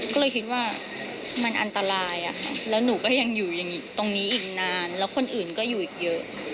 ก็เลยคิดว่ามันอันตรายแล้วหนูก็ยังอยู่ตรงนี้อีกนานแล้วคนอื่นก็อยู่อีกเยอะ